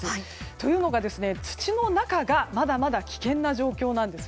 というのが、土の中がまだまだ危険な状況なんです。